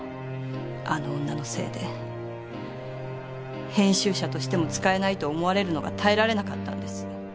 あの女のせいで編集者としても使えないと思われるのが耐えられなかったんです。